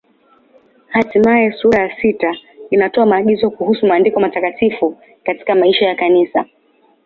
Hatimaye sura ya sita inatoa maagizo kuhusu Maandiko Matakatifu katika maisha ya Kanisa.